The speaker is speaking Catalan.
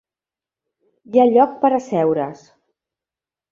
Hi ha lloc per asseure's.